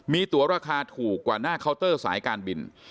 มีตัวราคาถูกกว่าหน้าเคาน์เตอร์สายการบิน